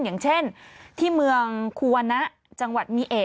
อย่างเช่นที่เมืองควระจังหวัดมีเอ